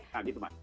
nah gitu mbak